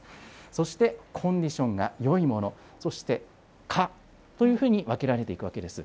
そして、コンディションがよいもの、そして、可というものに分けられていくわけです。